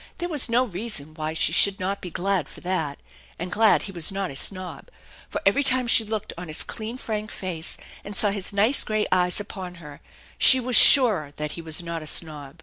There was no reason why she should not be glad for that, and glad he was not a snob. For every time she looked on his clean, frank face, and saw his nice gray eyes upon her, she was surer that he was not a snob.